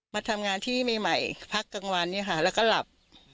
มาทำงานที่ใหม่พักกลางวันเนี่ยค่ะแล้วก็หลับ